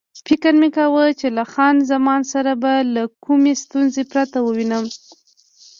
فکر مې کاوه چې له خان زمان سره به له کومې ستونزې پرته ووینو.